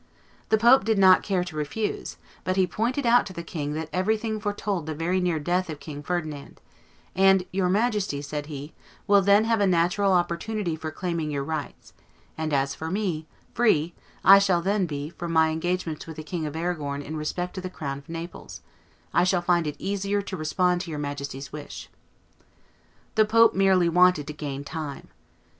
The pope did not care to refuse, but he pointed out to the king that everything foretold the very near death of King Ferdinand; and "Your majesty," said he, "will then have a natural opportunity for claiming your rights; and as for me, free, as I shall then be, from my engagements with the King of Arragon in respect of the crown of Naples, I shall find it easier to respond to your majesty's wish." The pope merely wanted to gain time.